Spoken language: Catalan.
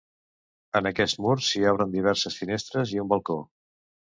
En aquest mur s'hi obren diverses finestres i un balcó.